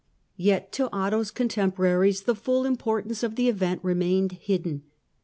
Yet to Otto's contemporaries the full import ance of tlie event remained hidden.